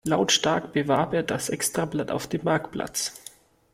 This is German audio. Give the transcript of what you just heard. Lautstark bewarb er das Extrablatt auf dem Marktplatz.